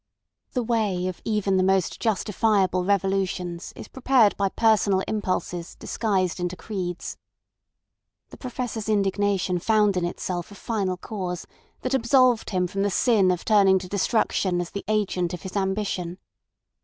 The way of even the most justifiable revolutions is prepared by personal impulses disguised into creeds. The Professor's indignation found in itself a final cause that absolved him from the sin of turning to destruction as the agent of his ambition.